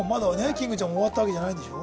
キングちゃん終わったわけじゃないんでしょ？